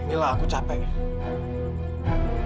mila aku capek